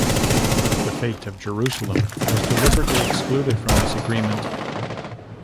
The fate of Jerusalem was deliberately excluded from this agreement.